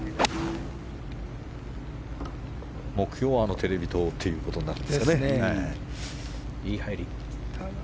目標はテレビ塔ということですかね。